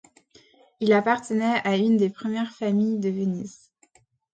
Il appartenait à une des premières familles de Venise.